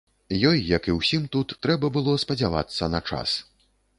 Ёй, як і ўсім тут, трэба было спадзявацца на час.